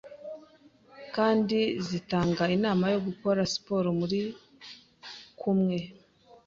kandi zitanga inama yo gukora siporo muri kumwe,